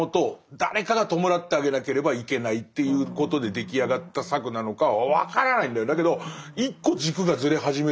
誰かが弔ってあげなければいけないということで出来上がった策なのかは分からないんだよ。